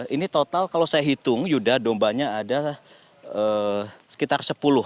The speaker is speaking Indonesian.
ini total kalau saya hitung yuda dombanya ada sekitar sepuluh